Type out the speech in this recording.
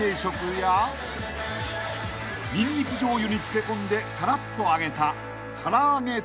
［にんにくじょうゆに漬け込んでカラッと揚げた］